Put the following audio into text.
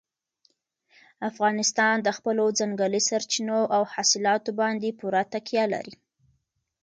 افغانستان د خپلو ځنګلي سرچینو او حاصلاتو باندې پوره تکیه لري.